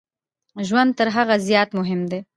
ژوند تر هغه زیات مهم دی.